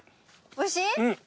おいしい？